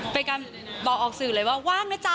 เป็นการบอกออกสื่อเลยว่าว่างนะจ๊